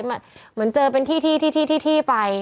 เหมือนเจอเป็นที่ไป